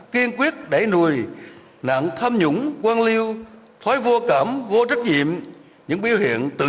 kiên quyết đẩy nuôi nặng tham nhũng quân lưu thoái vô cảm vô trách nhiệm những biểu hiện tự